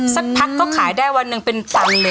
สักพักก็ขายได้วันหนึ่งเป็นตันเลย